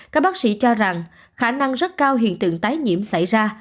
các bác sĩ cho rằng khả năng rất cao hiện tượng tái nhiễm xảy ra